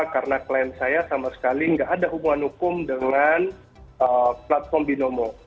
karena klien saya sama sekali nggak ada hubungan hukum dengan platform binomo